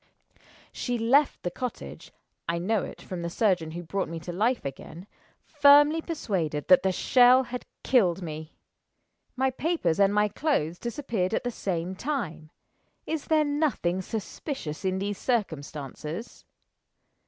She left the cottage I know it, from the surgeon who brought me to life again firmly persuaded that the shell had killed me. My papers and my clothes disappeared at the same time. Is there nothing suspicious in these circumstances?